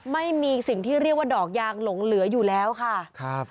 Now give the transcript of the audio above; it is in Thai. ไม่มีสิ่งที่เรียกว่าดอกยางหลงเหลืออยู่แล้วค่ะครับ